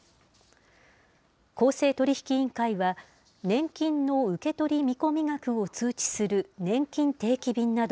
公正取引委員会は、年金の受け取り見込み額を通知するねんきん